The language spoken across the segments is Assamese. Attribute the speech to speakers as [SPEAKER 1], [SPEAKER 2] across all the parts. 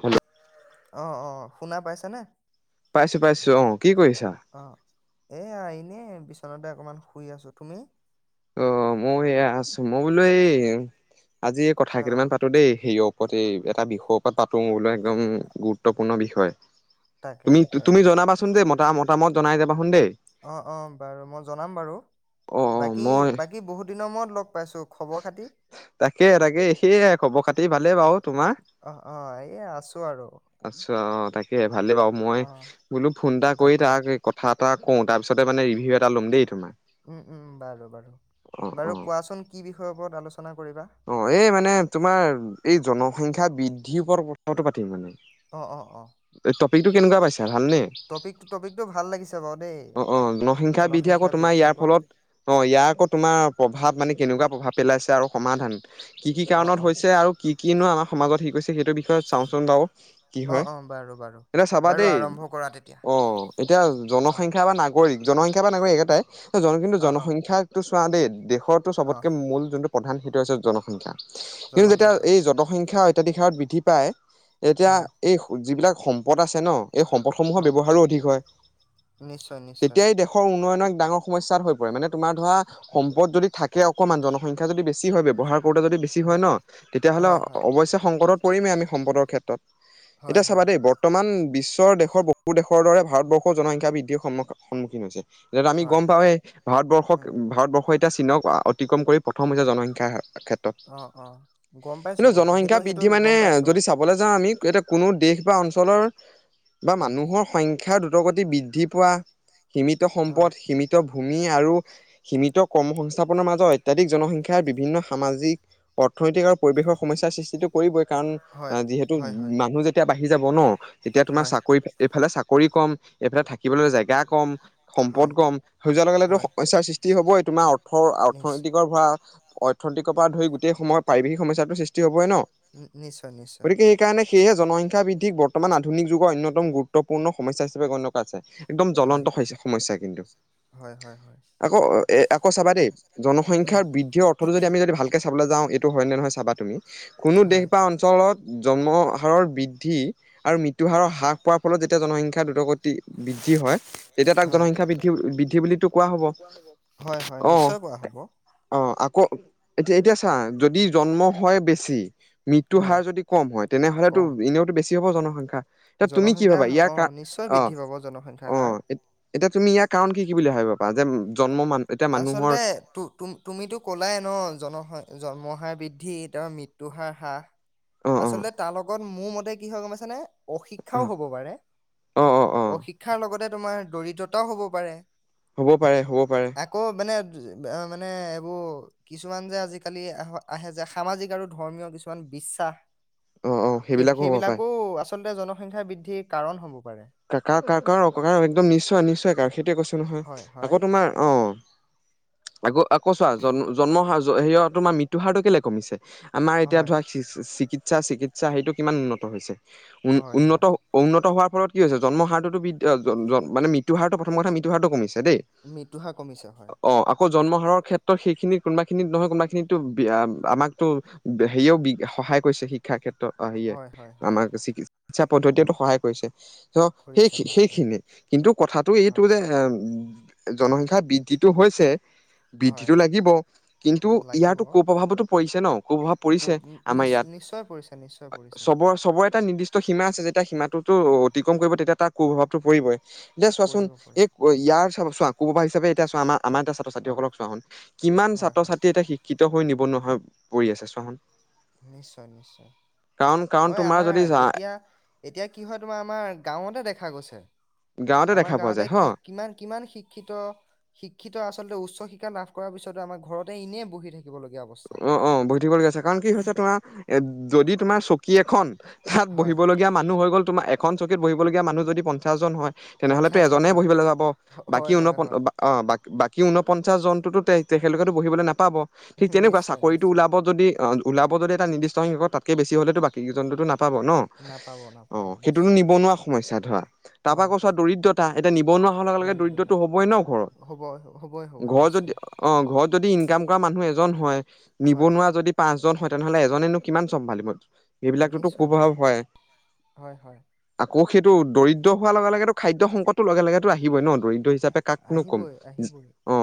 [SPEAKER 1] হেল্ল'
[SPEAKER 2] অ অ শুনা পাইছা নে?
[SPEAKER 1] পাইছো পাইছো অ কি কৰিছা
[SPEAKER 2] অ', এয়া এনেই বিছনাতে অকমান শুই আছো তুমি
[SPEAKER 1] অ মই এ আছো মই বোলো এই আজি এই কথা কেইটামান
[SPEAKER 2] অ',
[SPEAKER 1] পাতো দেই হেয়ক প্ৰতি এটা বিষয়ৰ ওপৰত পাতো মোৰলৈ একদম গুৰুত্বপূৰ্ণ বিষয়।
[SPEAKER 2] তাকে
[SPEAKER 1] তুমি
[SPEAKER 2] তাকে
[SPEAKER 1] তুমি জনাবাচোন যে মতামত তামত জনাই যাবাচোন দেই।
[SPEAKER 2] অ অ বাৰু মই জনাম বাৰু
[SPEAKER 1] অ অ
[SPEAKER 2] বাকী
[SPEAKER 1] মই
[SPEAKER 2] বাকী বহুত দিনমত লগ পাইছো খবৰ খাতি?
[SPEAKER 1] তাকে তাকে সেয়াই খবৰ খাতি ভালেই বাৰু তোমাৰ
[SPEAKER 2] অ অ এই আছো আৰু।
[SPEAKER 1] অ অ তাকে। ভালেই বাৰু মই
[SPEAKER 2] অ',
[SPEAKER 1] বোলো ফোন এটা কৰি
[SPEAKER 2] তাকে
[SPEAKER 1] তাক কথা এটা কওঁ, তাৰিছতে মানে ৰিভিউ এটা ল'ম দেই তুমাৰ।
[SPEAKER 2] উম উম বাৰু বাৰু,
[SPEAKER 1] অ
[SPEAKER 2] বাৰু কোৱাচোন কি বিষয়ৰ ওপৰত আলোচনা কৰিবা?
[SPEAKER 1] অ, এই মানে তোমাৰ এই জনক সংখ্যা বৃদ্ধিৰ ওপ কথাটো পাতিম মানে?
[SPEAKER 2] অ অ
[SPEAKER 1] টো কেকুৱাাইছে [unintelligible] ভালনে?
[SPEAKER 2] টপিক টপিকটো ভাল লাগিছে বাৰু দেই,
[SPEAKER 1] অ অ জনসংখ্যা বৃদ্ধি আকৌ তোমাৰ
[SPEAKER 2] বৃদ্ধিৰ
[SPEAKER 1] ইয়াৰ
[SPEAKER 2] ওপৰত
[SPEAKER 1] ফলত অ, ইয়াৰ আকৌ তোমাৰ প্ৰভাৱ, মানে কেনেকুৱা প্ৰভাৱ? পেলাইছে আৰু সমাধান। কি কি
[SPEAKER 2] অ',
[SPEAKER 1] কাৰণত
[SPEAKER 2] অ'।
[SPEAKER 1] হৈছে? আৰু কি কিনো আমাৰ সমাজত শিক গৈছে, সেইটো বিষয়ে চাওঁচোন বাৰু। কি
[SPEAKER 2] অ',
[SPEAKER 1] হয়,
[SPEAKER 2] অ', বাৰু বাৰু
[SPEAKER 1] এতিয়া চাবা
[SPEAKER 2] বাৰু
[SPEAKER 1] দেই,
[SPEAKER 2] আৰম্ভ কৰা তেতিয়া
[SPEAKER 1] অ এতিয়া
[SPEAKER 2] অ',
[SPEAKER 1] জনসংখ্যা বা নাগ নাগৰিক জনসংখ্যা বা নাগৰিক এটাই। জন কিন্তু
[SPEAKER 2] অ', অ',
[SPEAKER 1] জনসংখ্যাটো আদে দেশ ৰতটো
[SPEAKER 2] অ',
[SPEAKER 1] চবতক মল যোনটো প্ৰধান সেইটো হৈছে জনসংখ্যা। কিন্তু যেতিয়া
[SPEAKER 2] জনসংখ্যা
[SPEAKER 1] এই জনসংখ্যা অত্যাধিক শিক্ষাৰত বৃদ্ধি পায় এতিয়া
[SPEAKER 2] হয়
[SPEAKER 1] এই যিবিলাক সম পত আছে ন? এই সম্পদসমূহৰ
[SPEAKER 2] অ
[SPEAKER 1] ব্যৱহাৰো অধিক হয়,
[SPEAKER 2] নিশ্চয় নিশ্চয়
[SPEAKER 1] তেতিয়াই দেশৰ উন্নয়নৰ এক ডাঙৰ সমস্যা হৈ পৰে, মানে তোমাৰ ধৰা সম্পদ যদি থাকে অকণমান জনসং খ্যা যদি বেছি ব্যৱহাৰ ক যদি বেছি হয় ন, তেতিয়াহ'লে
[SPEAKER 2] হয় হয়
[SPEAKER 1] অৱশ্যে শংকৰৰত কৰিমেই আমি সম্পদৰ ক্ষেত্ৰত।
[SPEAKER 2] হয়
[SPEAKER 1] এতিয়া
[SPEAKER 2] হয়
[SPEAKER 1] চাবা দেই বৰ্তমান বিশ্ব বিশৰ দেশৰ বহু দেশৰ দৰে ভাৰতবৰ্ষৰ জনসংখ্যা বৃদ্ধিৰ সন্খ সন্মুখীন হৈছে এ আমি
[SPEAKER 2] হয়
[SPEAKER 1] গম পাওৱে ভাৰতবৰ্ষক,
[SPEAKER 2] উম
[SPEAKER 1] ভাৰতবৰ্ষ এ চীনক অতিক্ৰম কৰি প্ৰথম হৈছে জনসংখ্যা ক্ষেত্ৰত,
[SPEAKER 2] অ অ গম পাইছো
[SPEAKER 1] কিন্তু
[SPEAKER 2] গম পাই
[SPEAKER 1] জনসংখ্য্া
[SPEAKER 2] সেইটো সেইটো
[SPEAKER 1] বৃদ্ধি মানে
[SPEAKER 2] গম পাইছো অ
[SPEAKER 1] যদি চাবলৈ যাওঁ আমি এ কোনো দেশ বা অঞ্চলৰ
[SPEAKER 2] উম
[SPEAKER 1] মানুহৰ সংখ্য দু অগ্ৰগতি বৃদ্ধি পোৱা সীমিত সম্পদ
[SPEAKER 2] হয়
[SPEAKER 1] সীমিত ভূমি আৰু সীমিত কৰ্মসস্থাপনৰ মাজত অত্যাধিক জনসংখ্যাৰ বিভিন্ন সামাজিক অৰ্থনৈতিক আৰু পৰিৱেশৰ সমস্যাৰ সৃষ্টিটো কৰিবই। কাৰণ
[SPEAKER 2] হয়
[SPEAKER 1] যিহেতু
[SPEAKER 2] হয় হয়
[SPEAKER 1] মানুহ যেতিয়া বাহিৰ যাব ন? এতিয়া তোমাৰ
[SPEAKER 2] হয়
[SPEAKER 1] চাকৰি এইফালে চাকৰি চাকৰি ক'ম, এইফালে থাকিবলৈ জেগা ক'ম। সম্পদ
[SPEAKER 2] হয়
[SPEAKER 1] গম হৈ যোৱাৰ লগেলেগেটো
[SPEAKER 2] হয়
[SPEAKER 1] সমস্যাৰ সৃষ্টি হ'বই। টোমা অৰ্থৰ
[SPEAKER 2] নিশ্চ
[SPEAKER 1] তিকৰ ভৰা অৰ্থনৈতিকৰ পৰা ধৰি গোটেই সময় পাৰিবাশিক সমস্যাটো সৃষ্টি হ'বই ন?
[SPEAKER 2] উ নিশ্চয়-নিশ্চয়।
[SPEAKER 1] সেয়ে জনসংখ্যা বৃদ্ধিক বৰ্তমান আধুনিযুগৰ অন্যত গুৰুত্বপূৰ্ণ সমস্যা হিচাপে গণ্য কৰা হৈছে।
[SPEAKER 2] হয়
[SPEAKER 1] জ্বলন্ত হৈছে সমস্যা কিন্তু।
[SPEAKER 2] হয় হয় হয়
[SPEAKER 1] আকৌ এই আকৌ চাবা দেই
[SPEAKER 2] উম
[SPEAKER 1] জনসংখ্যা বৃদ্ধিৰ অৰ্থটো যদি আমি যদি ভালকে চাবলৈ যাওঁ এইটো হয় নহয় চাবা তুমি কোনো দেশ বা অঞ্চলত
[SPEAKER 2] হয়
[SPEAKER 1] জন্ম হাৰৰ বৃদ্ধি আৰু মৃত্যু হাৰৰ হ্ৰাস পোৱাৰ ফলত যেতিয়া জনসংখ্যা দোত্ গতি বৃদ্ধি হয় তেতিয়া তাক জনসংখ্যা বৃদ্ধি-বৃদ্ধি বুলিতো কোৱা হব।
[SPEAKER 2] হয় হয়
[SPEAKER 1] অ'।
[SPEAKER 2] নিশ্চয়
[SPEAKER 1] অ
[SPEAKER 2] কোৱা হ'ব
[SPEAKER 1] আকৌ এতিয়া-এতিয়া ছা যদি জন্ম হয় বেছি, মৃত্যুৰ
[SPEAKER 2] হয়
[SPEAKER 1] হাৰ যদি কম হয় তেনেহলেতো
[SPEAKER 2] কম
[SPEAKER 1] এনেওতো বেছি হ'ব জন সংখ্যা।
[SPEAKER 2] জনসংখ্যা অ নিশ্চয় বৃদ্ধি পাব জনসংখ্যাাৰ
[SPEAKER 1] অ'
[SPEAKER 2] হাৰ
[SPEAKER 1] এতিয়া তুমি ইয়াৰ কাৰণ কি কি বুলি ভাবিব পাৰা যে জন্ম মানুহ এতিয়া মানুহৰ
[SPEAKER 2] আচলতে তু তুম তুমিতো ক'লাই ন জনস জন্মহাৰ বৃদ্ধি তেওঁ মৃত্যু হাৰ হাস
[SPEAKER 1] অ' অ'
[SPEAKER 2] আচলতে তাৰ লগত মোৰ মতে কি হয় গম পাইছানে অশিক্ষাও
[SPEAKER 1] অ'
[SPEAKER 2] হ'ব পাৰে
[SPEAKER 1] অ' অ' অ'
[SPEAKER 2] অশিক্ষাৰ লগতে তোমাৰ দৰিদ্ৰতাও হ'ব পাৰে
[SPEAKER 1] হ'ব পাৰে হ'ব পাৰে
[SPEAKER 2] আকৌ মানে মানে এইবোৰ কিছুমান যে আজিকালি আহ আহে যে সামাজিক আৰু ধৰ্মীয় কিছুমান বিশ্বাস
[SPEAKER 1] অ অ সেইবিলাকো হ'ব পাৰে
[SPEAKER 2] আচলতে জনসংখ্যা বৃদ্ধিৰ কাৰণসমূহ
[SPEAKER 1] কা কা কাৰ ক একদম নিশ্চয় নিশ্চয় কাৰ সেইটোৱে কৈছো নহয়
[SPEAKER 2] হয়, হয়,
[SPEAKER 1] আকৌ তোমাৰ অ আকৌ আকৌ চোৱা জন্ম হাৰ হেৰিয়ত তোমাৰ মৃত্যু হাৰটো কেলে কমিছে আমাৰ এতিয়া
[SPEAKER 2] হয়,
[SPEAKER 1] ধৰা চিকিৎ সা চিকিৎসা সেইটো কিমান উন্নত হৈছে উ
[SPEAKER 2] হয়, হয়।
[SPEAKER 1] উন্নত উন্নত হোৱাৰ ফলত কি হৈছে জন্ম হাৰটোতো বি মানে মৃত্যু হাৰটো প্ৰথম কথা মৃত্যু হাৰটো কমিছে দেই
[SPEAKER 2] মৃত্যু হাৰ কমিছে হয়
[SPEAKER 1] অ আকৌ জন্ম হাৰৰ ক্ষেত্ৰত সেইখিনিত কোনোবা খিনিত নহয় কোনোবা খিনিতো আমাকতো হেৰিয়ও বি সহায় কৰিছে শ শিক্ষাৰ ক্ষেত্ৰত আহিয়ে
[SPEAKER 2] হয়, হয়, হয়,
[SPEAKER 1] আমাৰ চিকিৎ ইচ্ছা পদ্ধতিয়েতো সহায় কৰিছে ত সেই
[SPEAKER 2] কৰিছে নিশ্চয়।
[SPEAKER 1] সেইখিনিয়ে কিন্তু কথাটো এইটো
[SPEAKER 2] হয়,
[SPEAKER 1] যে জনসংখ্যা বৃদ্ধিটো হৈছে
[SPEAKER 2] হয়,
[SPEAKER 1] বৃদ্ধিটো লাগিব কিন্তু
[SPEAKER 2] লাগিব।
[SPEAKER 1] ইয়াতো কুপ্ৰভাৱতো পৰিছে ন কুপ্ৰভাৱ
[SPEAKER 2] প
[SPEAKER 1] পৰিছে আমাৰ
[SPEAKER 2] নিচ
[SPEAKER 1] ইয়াত
[SPEAKER 2] নিশ্চয় পৰিছে, নিশ্চয় পৰিছে।
[SPEAKER 1] চবৰ চবৰে এটা নিৰ্দিষ্ট সীমা আছে যেতিয়া সীমাতোটো
[SPEAKER 2] হয়,
[SPEAKER 1] তেতিয়া তাৰ কু প্ৰভাৱতো পৰিবই দে চোৱাচোন
[SPEAKER 2] পৰিব পৰিব।
[SPEAKER 1] এই ইয়াৰ আকৌ এবাৰ হিাচাপে এতিয়া চোৱা আমাৰ আমাৰ এতিয়া ছাত্ৰ
[SPEAKER 2] অ',
[SPEAKER 1] ছাত্ৰীসকলক চোৱা চোন কিমান
[SPEAKER 2] হয়,
[SPEAKER 1] ছাত্ৰ
[SPEAKER 2] হয়,
[SPEAKER 1] ছাত্ৰী এতিয়া শিক্ষিত হৈ নিৱনো ৱা হৈ পৰি আছে চোৱা চোন
[SPEAKER 2] নিশ্চয় নিশ্চয়
[SPEAKER 1] কাৰণ কাৰণ
[SPEAKER 2] হয়
[SPEAKER 1] তোমাৰ
[SPEAKER 2] আমাৰ
[SPEAKER 1] যদি
[SPEAKER 2] এতিয়া এতিয়া কি হয় তোমাৰ আমাৰ গাঁৱতে দেখা গৈছে
[SPEAKER 1] গাঁৱতে
[SPEAKER 2] আমাৰ
[SPEAKER 1] দেখা পোৱা
[SPEAKER 2] গাঁৱতে
[SPEAKER 1] যায় হ
[SPEAKER 2] কি কিমান কিমান শিক্ষিত শিক্ষিত আচলতে উচ্চ উচ শিক্ষা লাভ কৰাৰ পিছত আমাৰ ঘৰতে এনেই বহি থাকিব লগীয়া
[SPEAKER 1] অ অ বহি থাকিবলগীয়া আছে কাৰণ কি হৈছে তোমাৰ এ যদি তোমাৰ চকী এখন তাত
[SPEAKER 2] হয়।
[SPEAKER 1] বহিবলগীয়া মানুহ হৈ গ'ল তোমাৰ এখন চকীত বহিবলগীয়া মানুহ যদি পঞ্চাশজন হয় তেনেহলেতো
[SPEAKER 2] পঞ্চাশজন
[SPEAKER 1] এজনে
[SPEAKER 2] হয়
[SPEAKER 1] বহিবলৈ যাব, বাকী
[SPEAKER 2] হয়
[SPEAKER 1] উনপ
[SPEAKER 2] হয় হয়
[SPEAKER 1] আহ বাকী। কি ঊনপঞ্চাছ জনটোতো তে তেখেতলোকেতো বহিব নাপাব। তেনেকুৱা
[SPEAKER 2] নিশ্চয়
[SPEAKER 1] চাকৰিটো
[SPEAKER 2] নিশ্চয়
[SPEAKER 1] ওলাব যদি। ওলাব যদি এটা নিৰ্দিষ্ট সংখ্য তাত কৈ বেছি হলেতো বাকী কেইজন টো না পাব ন
[SPEAKER 2] নাপাব নাপাব
[SPEAKER 1] অহ সেইটো
[SPEAKER 2] নিশ্চয়
[SPEAKER 1] নিবনুৱা সমস্যা ধৰা তাৰ পৰা
[SPEAKER 2] হয়
[SPEAKER 1] কৈছা
[SPEAKER 2] হয়
[SPEAKER 1] দৰিদ্ৰতা এতিয়া নিবনুৱা হোৱাৰ লগে লগে দৰিদ্ৰতাটো
[SPEAKER 2] দৰিদ্ৰতা
[SPEAKER 1] হবই ন ঘৰত
[SPEAKER 2] হ'বই হ'বই হ'বই
[SPEAKER 1] ঘৰত যদি
[SPEAKER 2] নিশ্চয়
[SPEAKER 1] অ ঘৰত যদি ইনকম কৰা মানুহ এ।
[SPEAKER 2] হয়
[SPEAKER 1] নিবনুৱা যদি পাঁচজন হয় তেনেহ'লে এজনেনো কিমান চম্ভালিব এইবিলাকতোতো
[SPEAKER 2] নিশ্চয়
[SPEAKER 1] ক'ব‌ই নাপাই
[SPEAKER 2] হয় হয়
[SPEAKER 1] আকৌ। সেইটো দৰিদ্ৰ হোৱাৰ লগে লগেতো খাদ্য সংকটটোৰ লগে লগেতো আহিবই ন। দৰিদ্ৰ হিচাপে কাকনো কম
[SPEAKER 2] আহিবই আহিবই
[SPEAKER 1] অ।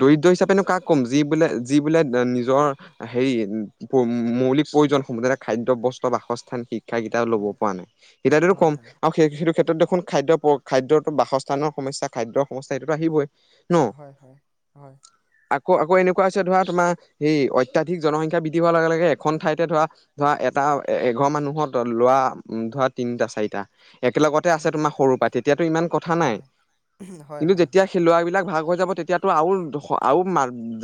[SPEAKER 1] দৰিদ্ৰ হিচাপেনো কাক ক'ম যি বোলে। যি বোলে নিজৰ হেৰি মৌলিক প্ৰয়োজনসমহতে খাদ্য বস্ত্ৰ বাসস্থান শিক। শিক্ষা কেইটা ল'ব
[SPEAKER 2] হয়
[SPEAKER 1] পৰা নাই এতিয়াটো
[SPEAKER 2] হয়
[SPEAKER 1] কম
[SPEAKER 2] হয়
[SPEAKER 1] আৰু সেই সেইটো ক্ষেত্ৰত এইখন খাদ্য খাদ্যটো বাসস্থানৰ সমস্যা খাদ্যৰ সমস্যা সেইটো আহিবই
[SPEAKER 2] হয় হয় হয়।
[SPEAKER 1] কৌ এনেকুৱা। ধৰা তোমাৰ সেই অত্যধিক জনসংখ্যা বৃদ্ধি হোৱা লগে লগে এখন ঠাইতে ধৰা ধৰা এটা এঘৰ মানুহত লৰা ধৰা তিনিটা চাৰিটা। একেলগতে আছে
[SPEAKER 2] উম
[SPEAKER 1] তোমাৰ সৰুৰ পৰা তেতিয়াতো ইমান কথা নাই
[SPEAKER 2] হয় হয়
[SPEAKER 1] কিন্তু
[SPEAKER 2] হয়
[SPEAKER 1] যেতিয়া
[SPEAKER 2] হয়
[SPEAKER 1] সেই লৰা বিলাক ভাগ। য তেতিয়াতো আৰু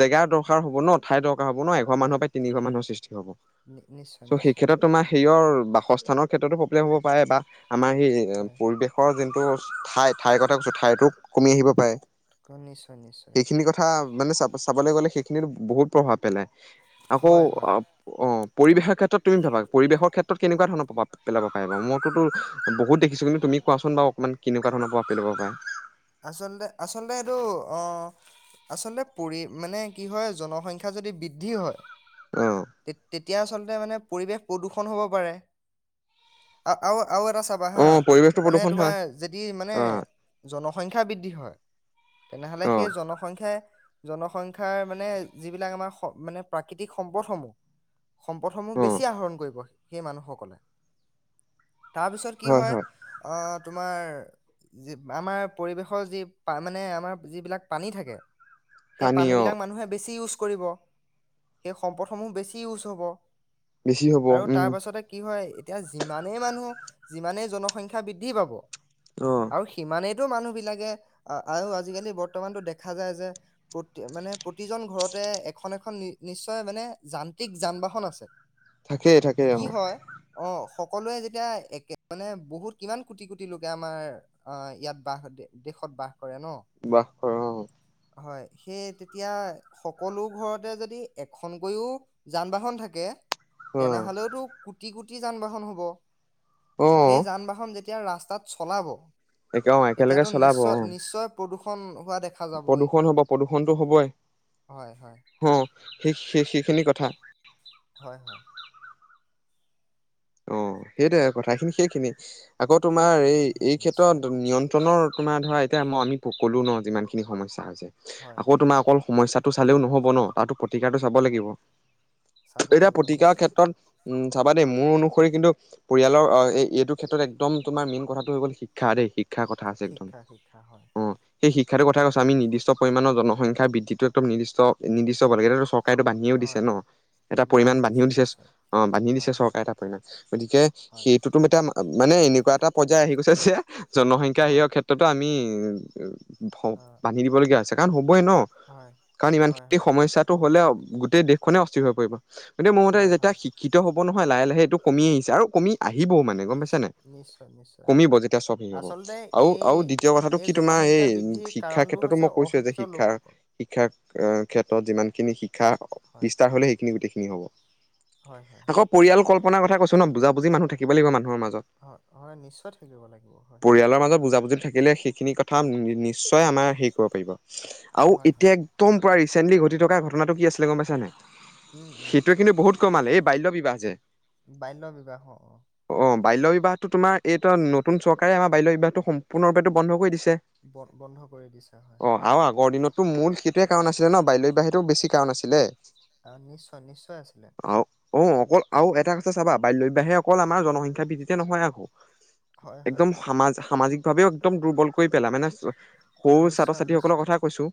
[SPEAKER 1] জেগা অভাৱ হ'ব ন ঠাইতক হব ন এঘৰ
[SPEAKER 2] হয়
[SPEAKER 1] মানুহৰ পৰা তিনি ঘৰ ৰ
[SPEAKER 2] হয়
[SPEAKER 1] মানুহৰ সৃষ্টি হ'ব
[SPEAKER 2] নি নিশ্চয়
[SPEAKER 1] চ' সেই
[SPEAKER 2] নিশ্চয়
[SPEAKER 1] ক্ষেত্ৰত তোমাৰ সেইয় বাসস্থানৰ ক্ষেত্ৰতো প্ৰব্লেম হ'ব পাৰে বা। আমাৰ সেই
[SPEAKER 2] হয়
[SPEAKER 1] পৰিৱেশৰ যেন। টো ঠাই ঠাইৰ কথা কৈছো ঠাইতো কমি আহিব পাৰে।
[SPEAKER 2] নিশ্চয় নিশ্চয়।
[SPEAKER 1] সেইখিনি কথা মানে চাব চাবলৈ গ'লে শ সেইখিনিতো বহুত প্ৰভাৱ পেলাই। আকৌ
[SPEAKER 2] হয় হয়
[SPEAKER 1] আউ অ পৰিৱেশৰ ক্ষেত্ৰত তুমি ভাবা পৰিৱেশ ক্ষেত্ৰত কেনেকুৱা ধৰণৰ প্ৰভাৱ পেলাব পাৰিব মইতো বহুত দেখিছো কিন্তু তুমি কোৱাচোন বাৰ অকণমান কেনেকুৱা ধৰণ প্ৰভাৱ পেলাব পাৰা?
[SPEAKER 2] আচলতে-আচলতে এইটো অহ। আচলতে পৰি মানে কি হয় জনসংখ্যা যদি বৃদ্ধি হয়
[SPEAKER 1] অ'
[SPEAKER 2] তে-তে এতিয়া আচলতে মানে পৰিৱেশ প্ৰদূষণ হ'ব পাৰে। আৰু আৰু এটা চাবা হা
[SPEAKER 1] অ' পৰিৱেশটো
[SPEAKER 2] মানে
[SPEAKER 1] প্ৰদূষণ
[SPEAKER 2] তোমাৰ
[SPEAKER 1] হয়
[SPEAKER 2] যদি মানে
[SPEAKER 1] অ'
[SPEAKER 2] জন সংখ্যা বৃদ্ধি হয় তেনেহ'লে সেই জনসংখ্যাই, জনসংখ্যাৰ মানে যিবিলাক আমাৰ মানে প্ৰাকৃতিক সম্পদসমূহ, সম্পদসমূহ
[SPEAKER 1] অ' অ'
[SPEAKER 2] বেছি আহৰণ কৰিব সেই মানুহসকলে। তাৰ পিছত কি হয়, আহ তোমাৰ আমাৰ পৰিৱেশৰ যি মানে আমাৰ যিবিলাক পানী থাকে সেই পানী বিলাক মানুহে বেছি ইউজ কৰিব। সেই সম্পদসমূ বেছি ইউচ হব।
[SPEAKER 1] বেছি হ'ব
[SPEAKER 2] আৰু
[SPEAKER 1] উম
[SPEAKER 2] তাৰ পাছতে কি হয়। এতিয়া যিমানেই মানুহ যিমানেই জনসংখ্যা বৃদ্ধি পাব,
[SPEAKER 1] অ'
[SPEAKER 2] আৰু সিমানেই মানুহ বিলাকে, আৰু আজিকালি বৰ্তমানতো দেখা যায় যে প্ৰতি মানে প্ৰতিজন ঘৰতে এখন-এখন নিশ্চয় মানে যান্ত্ৰিক যান বাহন আছে।
[SPEAKER 1] থাকেই থাকেই
[SPEAKER 2] কি
[SPEAKER 1] অ'
[SPEAKER 2] হয় অ, হ সকলোৱে যেতিয়া একে মানে বহুত কিমান কোটি-কোটি লোকে আমাৰ ইয়াত বাহ দেশত বাস কৰে ন
[SPEAKER 1] বাস কৰা অহ।
[SPEAKER 2] হয়, সেই তেতিয়া সকলো ঘৰতে যদি এখনকৈও যান বাহন থাকে,
[SPEAKER 1] অ'
[SPEAKER 2] তেনেহলেওতো টি কোটি যান বাহন হ'ব।
[SPEAKER 1] অ'
[SPEAKER 2] সেই যান বাহন যেতিয়া এতিয়া ৰাস্তাত চলাব,
[SPEAKER 1] একে অহ একেলগে চলাব অহ।
[SPEAKER 2] শন্
[SPEAKER 1] প্ৰদূ্ষণ হ'ব, প্ৰদূৰ্ষণতো হ'বই।
[SPEAKER 2] হয় হয়
[SPEAKER 1] সহ। সেই স সেইখিনি কথা।
[SPEAKER 2] হয় হয়
[SPEAKER 1] অ সেইট কথা খিনি সেইখিনি আকৌ তোমাৰ
[SPEAKER 2] সেইখিনিয়ে
[SPEAKER 1] এই-এই
[SPEAKER 2] সেইখিনিয়ে
[SPEAKER 1] ক্ষেত্ৰত
[SPEAKER 2] নিশ্চয়
[SPEAKER 1] নিয়ন্ত্ৰণৰ তোমাৰ ধৰা এতিয়া আমি তোক ক'লো ন যিমান খিনি সমস্যা
[SPEAKER 2] হয়
[SPEAKER 1] আকৌ
[SPEAKER 2] হয়
[SPEAKER 1] তোমাৰ অকল সমস্যাত টো চালেও নহব ন, তাতো প্ৰতিকাৰটো চাব লাগিব।
[SPEAKER 2] হয় চাব
[SPEAKER 1] এতিয়া
[SPEAKER 2] লাগিব
[SPEAKER 1] প্ৰতিকাৰ
[SPEAKER 2] নিশ্চয়
[SPEAKER 1] ক্ষেত্ৰত উম চাবা দেই মোৰ অনু কিন্তু পৰিয়ালৰ এইটো ক্ষেত্ৰত একদম তোমাৰ মেইন কথাটো হৈ গ'ল শিক্ষা দেই শ শিক্ষাৰ কথা আছে একদম
[SPEAKER 2] শিক্ষা শিক্ষা হয়
[SPEAKER 1] অ সেই শিক সেইটো কথা কৈছো আমি নিৰ্দিষ্ট পৰিমাণৰ জনসংখ্যা বৃদ্ধিটো একদম নিৰ্দিষ্ট নিৰ্দিষ্ট [unintelligible] চৰকাৰেটো বান্ধিও দিছে
[SPEAKER 2] হয়
[SPEAKER 1] ন
[SPEAKER 2] হয়
[SPEAKER 1] এটা পৰিমাণ
[SPEAKER 2] বান্ধি
[SPEAKER 1] বান্ধিও দিছে
[SPEAKER 2] নিশ্চয়
[SPEAKER 1] অ বান্ধি দিছে
[SPEAKER 2] হয় হয়
[SPEAKER 1] চৰকাৰে এটা গতিকে
[SPEAKER 2] হয়
[SPEAKER 1] সেইটোতো এতিয়া মানে এনেকুৱা এটা বজাই আহি গৈছে যে জনসংখ্যা
[SPEAKER 2] হয়
[SPEAKER 1] হেয়ৰ ক্ষেত্ৰতো আমি [unintelligible]
[SPEAKER 2] অ
[SPEAKER 1] [unintelligible] বান্ধি দিবলগীয়া [unintelligible] হই ন
[SPEAKER 2] হয়
[SPEAKER 1] কাৰণ ইমান
[SPEAKER 2] হয়
[SPEAKER 1] খিনি
[SPEAKER 2] হয়
[SPEAKER 1] সমস্যা তো হ'লে গোটেই দেশখনে অস্থিৰ হৈ পৰিব। গতিকে মোৰ মতে
[SPEAKER 2] হয়
[SPEAKER 1] যেতিয়া
[SPEAKER 2] হয়
[SPEAKER 1] শিক্ষিত হ'ব নহয় লাহে লাহে টো কমি আহিছে আৰু কমি আহিবও মানে গম
[SPEAKER 2] নিশ
[SPEAKER 1] পাইছা নাই?
[SPEAKER 2] নিশ্চয় নিশ্চয়
[SPEAKER 1] কমিব যেতিয়া চব সেই হব,
[SPEAKER 2] আচলতে
[SPEAKER 1] আৰু
[SPEAKER 2] এই
[SPEAKER 1] আৰু দ্বিতীয় কথাটো
[SPEAKER 2] এই
[SPEAKER 1] কি তোমাৰ এই
[SPEAKER 2] জনসংখ্যা বৃদ্ধিৰ
[SPEAKER 1] শিক্ষাৰ
[SPEAKER 2] কাৰণটো
[SPEAKER 1] ক্ষেত্ৰতো
[SPEAKER 2] হৈছে
[SPEAKER 1] মই কৈছোৱে যে
[SPEAKER 2] অশিক্ষিত
[SPEAKER 1] শিক্ষাৰ
[SPEAKER 2] লোকসকল
[SPEAKER 1] শিক্ষাৰ ক্ষেত্ৰত যিমান খিনি শিক্ষা
[SPEAKER 2] হয়
[SPEAKER 1] বিস্তাৰ হ'লে সেইখিনি গোটেই কি হ'ব?
[SPEAKER 2] হয় হয় হয়
[SPEAKER 1] আকৌ পৰিয়াল কল আপুনা কথা কৈচো ন বুজাবুজি মানুহ থাকিব লাগিব মানুহৰ মাজত।
[SPEAKER 2] হয় হয় নিশ্চয় থাকিব লাগিব হয়
[SPEAKER 1] পৰিয়ালৰ মাজত বুজাবুজি থাকিলে সেইখিনি কথা নিশ্চয় আমাৰ হেৰি কৰিব পাৰিব। আৰু
[SPEAKER 2] হয় হয়
[SPEAKER 1] এতিয়া একদম প্ৰায় চেণ্ডি ঘটি থকা ঘটনাটো কি আছিলে গম পাইছানাই?
[SPEAKER 2] উম উম
[SPEAKER 1] সেইটোৱে কিন্তু বহুত কমাল এই বাল্য বিবাহ যে
[SPEAKER 2] বাল্য বিবাহ অ
[SPEAKER 1] অ বাল্য বিবাহটো তোমাৰ এই নতুন চৰকাৰে আমাৰ বাল্য বিবাহটো সম্পূৰ্ণৰূপেটো বন্ধ কৰি দিছে।
[SPEAKER 2] বন্ধ কৰি দিছে হয়।
[SPEAKER 1] টো মূল সেইটোৱে কাৰণ আছিলে ন বাল্য বিবাহেতু বেছি কাৰণ আছিলে।
[SPEAKER 2] অ নিশ্চয় নিশ্চয় আছিলে।
[SPEAKER 1] আৰু অ অকল আৰু এটা কথা চাবা বাল্য বিবাহে অকল আমাৰ জনসংখ্যা বৃদ্ধিতে নহয় আকৌ
[SPEAKER 2] হয় হয়
[SPEAKER 1] একদম সামাজ সামাজিকভাৱেও একদম দুৰ্বল কৰি পেলায় মানে সৰু ছাত্ৰ
[SPEAKER 2] নিশ্চয়
[SPEAKER 1] ছাত্ৰী সকলৰ
[SPEAKER 2] নিশ্চয়
[SPEAKER 1] কথাাই কৈছো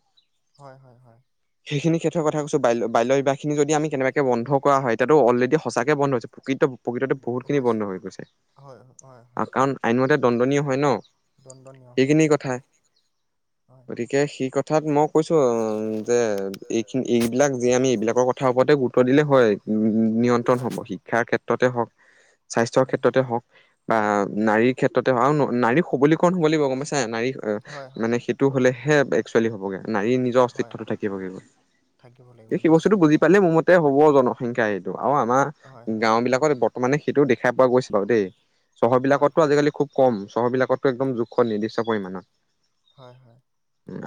[SPEAKER 2] হয় হয় হয়
[SPEAKER 1] সেইখিনি ক্ষেত্ৰ কথা কৈছো ব বাল্য বিবাহখিনি যদি আমি কেনেবাকে বন্ধ কৰা হয় এতিয়াতো অলৰেডি সঁচাকৈ বন্ধ হৈছে প্ৰকৃত প্ৰকৃততে
[SPEAKER 2] ব-
[SPEAKER 1] বহুতখিনি
[SPEAKER 2] হৈছে
[SPEAKER 1] বন্ধ হৈ গৈছে,
[SPEAKER 2] হয় হয় হয়
[SPEAKER 1] আৰু কাৰণ আইনমতে দণ্ডনীয় হয় ন
[SPEAKER 2] দণ্ডনীয় হয়
[SPEAKER 1] সেইখিনি কথা
[SPEAKER 2] হয়
[SPEAKER 1] গতিকে সি কথা অৰ্থাত মোক কৈছোঁ যে এইখিনি এইবিলাক যি আমি এইবিলাকৰ কথা ওপৰতে গুৰুত্ব দিলে হয় উ
[SPEAKER 2] হয়
[SPEAKER 1] হ'ব
[SPEAKER 2] হয়
[SPEAKER 1] শিক্ষাৰ ক্ষেত্ৰত ততে হওক স্বাস্থ্যৰ
[SPEAKER 2] উম
[SPEAKER 1] ক্ষেত্ৰতে হওক বা
[SPEAKER 2] উম
[SPEAKER 1] নাৰীৰ ক্ষেত্ৰত নাৰীক হবলীকৰণ হ'ব লাগিব গম পাইছে নাৰী অ
[SPEAKER 2] হয় হয়
[SPEAKER 1] মানে সেইটো হলে হে একচুৱেলি হ'বগে নাৰী নিজৰ
[SPEAKER 2] হয়
[SPEAKER 1] অস্তিত্বতো থাকিবগৈ
[SPEAKER 2] থাকিব লাগিব
[SPEAKER 1] সেই বস্তুটো
[SPEAKER 2] নিশ্চয়
[SPEAKER 1] বুজি পালে মোৰ মতে ততে হ'বও জনসংখ্যা এইটো অ আমাৰ
[SPEAKER 2] হয় হয়
[SPEAKER 1] গাঁও বিলাকত বৰ্ত মানে সেইটো দেখাই পোৱা গৈছে বাৰু দেই চহৰ
[SPEAKER 2] হয়
[SPEAKER 1] বিলাকতো
[SPEAKER 2] হয়
[SPEAKER 1] আজিকালি খুব কম চহৰবিলাকতো একদম জোখৰ নিৰ্দিষ্ট পৰিমাণৰ
[SPEAKER 2] হয় হয়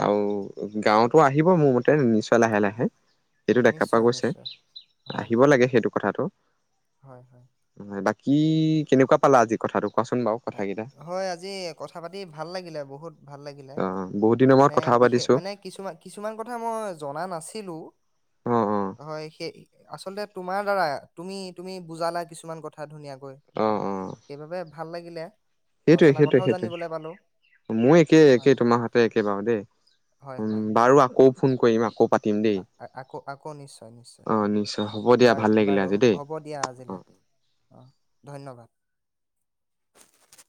[SPEAKER 1] আৰু গাঁৱতো আহিব মোৰ মতে নিশ্চয় লাহে লাহে সেইটো দেখা পোৱা
[SPEAKER 2] নিশ্চয়
[SPEAKER 1] গৈছে
[SPEAKER 2] নিশ্চয় হয়
[SPEAKER 1] আহিব
[SPEAKER 2] হয়
[SPEAKER 1] লাগে সেইটো কথাটো
[SPEAKER 2] হয় হয়
[SPEAKER 1] কি কেনেকুৱা পালা আজি কথাটোক
[SPEAKER 2] হয় আজি কথা পাতি ভাল লাগিলে বহুত ভাল লাগিলে
[SPEAKER 1] অ বহুত দিনৰ মূৰত
[SPEAKER 2] মানে
[SPEAKER 1] কথা
[SPEAKER 2] বিশেষ
[SPEAKER 1] পাতিছো
[SPEAKER 2] মানে কিছু কিছুমান কথা মই জনা নাছিলো।
[SPEAKER 1] অ অ
[SPEAKER 2] হয় সেই আচলতে তোমাৰ দাৰা তুমি তুমি বুজালা কিছুমান কথা ধুনীয়াকৈ
[SPEAKER 1] অ অ
[SPEAKER 2] সেইবাবে ভাল লা গিলে
[SPEAKER 1] সেইটোৱে সেইটোৱে সেইটোৱে মই একেই
[SPEAKER 2] হয়
[SPEAKER 1] একেই
[SPEAKER 2] হয়
[SPEAKER 1] তোমাৰ হাতে একে বাৰু দেই
[SPEAKER 2] হয় হয়
[SPEAKER 1] উ বাৰু আকৌ ফোন কৰিম আক পা
[SPEAKER 2] আকৌ আকৌ নিশ্চয় নিশ্চয়
[SPEAKER 1] অ নিশ্চয় হ'ব দিয়া
[SPEAKER 2] বাৰু
[SPEAKER 1] ভাল লাগিলে
[SPEAKER 2] বাৰু
[SPEAKER 1] আজি দেই
[SPEAKER 2] হ'ব দিয়া
[SPEAKER 1] অ
[SPEAKER 2] আজিলৈ অ ধন্যবাদ